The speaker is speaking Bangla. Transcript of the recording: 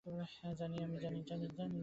হ্যাঁ, জানি।